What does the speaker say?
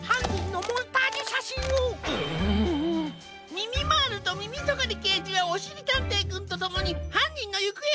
みみまーるとみみとがりけいじはおしりたんていくんとともにはんにんのゆくえをおってくれ！